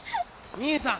・兄さん！